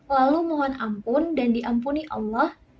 lalu mohon ampun dan diampuni allah